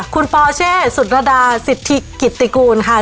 คุณปอเช่สุรดาสิทธิกิตติกูลค่ะ